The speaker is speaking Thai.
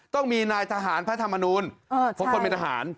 ต้องมีนายทหารพระธรรมนูลเพราะคนเป็นทหาร